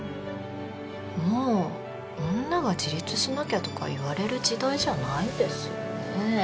もう女が自立しなきゃとか言われる時代じゃないですよね。